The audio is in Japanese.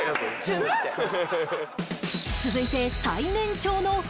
続いて